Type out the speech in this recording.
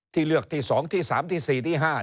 ที่เลือกที่๒ที่๓ที่๔ที่๕